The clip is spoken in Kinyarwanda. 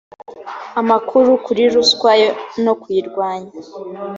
amakuru kuri ruswa no kuyirwanya